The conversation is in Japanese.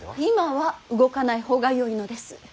今は動かない方がよいのです。